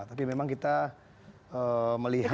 tapi memang kita melihat